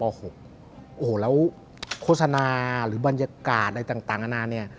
โอ้โหแล้วโฆษณาหรือบรรยากาศอะไรต่างนานาเนี่ย